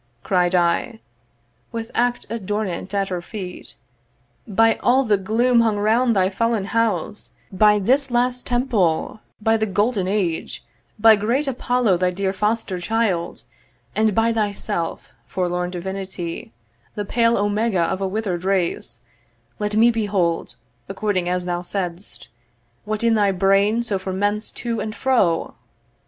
Cried I, with act adorant at her feet, 'By all the gloom hung round thy fallen house, 'By this last temple, by the golden age, 'By great Apollo, thy dear Foster Child, 'And by thyself, forlorn divinity, 'The pale Omega of a withered race, 'Let me behold, according as thou saidst, 'What in thy brain so ferments to and fro!'